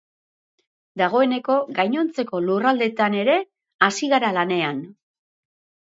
Dagoeneko gainontzeko lurraldeetan ere hasi gara lanean.